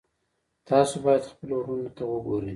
تاسو باید خپلو وروڼو ته وګورئ.